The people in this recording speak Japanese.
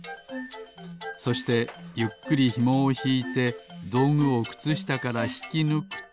そしてゆっくりひもをひいてどうぐをくつしたからひきぬくと。